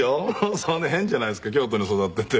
そんな変じゃないですか京都に育っていて。